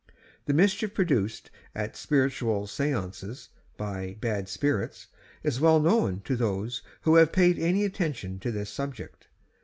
The mischief produced at 'spiritual seances' by 'bad spirits' is well known to those who have paid any attention to this subject.